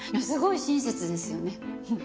すごい親切ですよね。